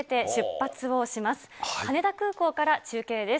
羽田空港から中継です。